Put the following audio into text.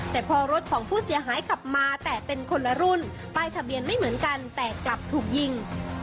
แต่พอรถของผู้เสียหายขับมาแต่เป็นคนละรุ่นป้ายทะเบียนไม่เหมือนกันแต่กลับถูกยิง